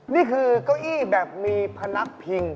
นี่คือเก้าอี้แบบมีพนักพิง